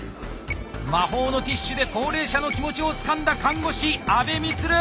魔法のティッシュで高齢者の気持ちをつかんだ看護師安部満！